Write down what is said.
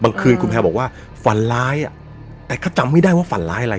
คืนคุณแพลบอกว่าฝันร้ายอ่ะแต่ก็จำไม่ได้ว่าฝันร้ายอะไร